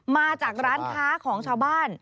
มาจากร้านค้าของชาวบ้าน